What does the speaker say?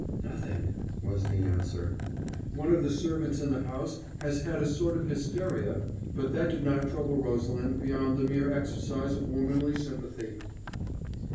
"Nothing," was the answer. "One of the servants in the house has had a sort of hysteria: but that did not trouble Rosalind beyond the mere exercise of womanly sympathy."